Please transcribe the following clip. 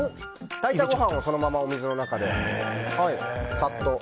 炊いたご飯をそのままお水の中で、サッと。